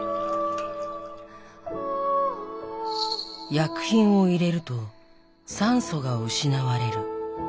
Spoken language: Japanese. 薬品を入れると酸素が失われる。